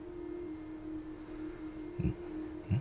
うん？